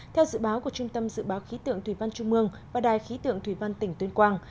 theo dự báo của trung tâm dự báo khí tượng thủy văn trung mương và đài khí tượng thủy văn tỉnh tuyên quang